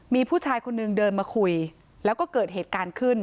มีผู้ชายคนนึงเดินมาคุยแล้วก็เกิดเหตุการณ์ขึ้น